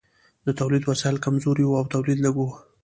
د تولید وسایل کمزوري وو او تولید لږ و.